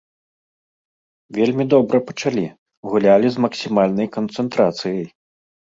Вельмі добра пачалі, гулялі з максімальнай канцэнтрацыяй.